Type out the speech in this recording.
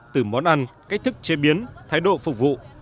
từ món ăn cách thức chế biến thái độ phục vụ